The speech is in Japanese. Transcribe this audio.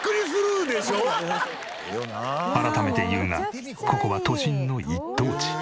改めて言うがここは都心の一等地。